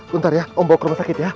bentar ya om bawa ke rumah sakit ya